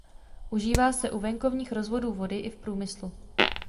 Užívá se u venkovních rozvodů vody i v průmyslu.